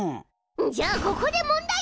じゃあここで問題！